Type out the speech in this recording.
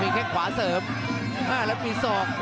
มีแค่ขวาเสริมและมีสอง